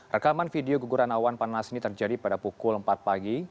rekaman video guguran awan panas ini terjadi pada pukul empat pagi